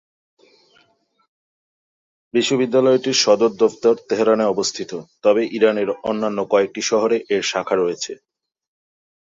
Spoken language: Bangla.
বিশ্ববিদ্যালয়টির সদর দফতর তেহরানে অবস্থিত তবে ইরানের অন্যান্য কয়েকটি শহরে এর শাখা রয়েছে।